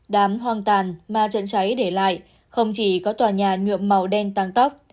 đám hoang tàn mà trận cháy để lại không chỉ có tòa nhà nhuộm màu đen tăng tóc